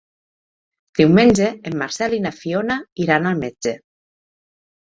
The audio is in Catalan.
Diumenge en Marcel i na Fiona iran al metge.